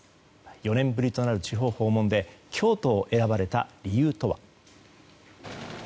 ４年ぶりとなる地方訪問で京都を選ばれた理由とは。